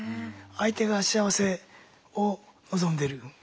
相手が幸せを望んでる。